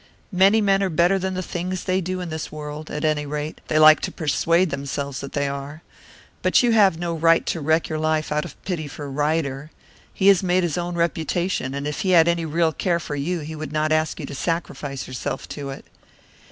Many men are better than the things they do in this world; at any rate, they like to persuade themselves that they are. But you have no right to wreck your life out of pity for Ryder. He has made his own reputation, and if he had any real care for you, he would not ask you to sacrifice yourself to it."